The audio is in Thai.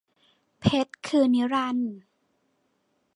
เพชรคือนิรันดร์